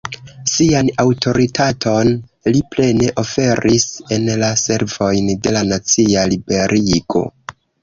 Sian aŭtoritaton li plene oferis en la servojn de la nacia liberigo.